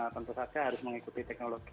tentu saja harus mengikuti teknologi